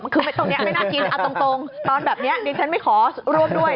คือตรงนี้ไม่น่ากินเอาตรงตอนแบบนี้ดิฉันไม่ขอร่วมด้วย